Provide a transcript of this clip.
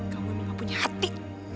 kamu gak punya hati